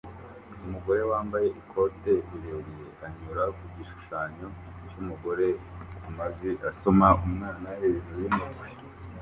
Umugore wambaye ikote rirerire anyura ku gishushanyo cy’umugore ku mavi asoma umwana hejuru y’umutwe